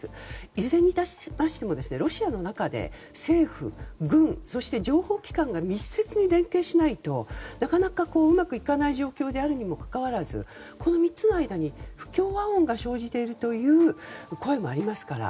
いずれにしてもロシアの中で政府、軍そして情報機関が密接に連携しないとなかなかうまくいかない状況であるにもかかわらずこの３つの間に不協和音が生じているという声もありますから。